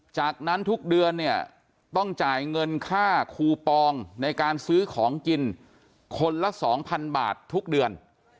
จากนั้นทุกเดือนเนี่ยต้องจ่ายเงินค่าคูปองในการซื้อของกินคนละ๒๐๐๐บาททุกเดือน